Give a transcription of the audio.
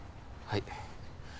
はい。